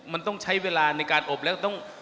มันต้องใช้เวลาในการอบแล้วต้อง